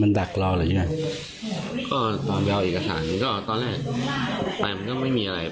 มันดักรออะไรอย่างเงี้ยก็ตอนไปเอาเอกสารก็ตอนแรกไปมันก็ไม่มีอะไร